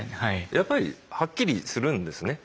やっぱりはっきりするんですね。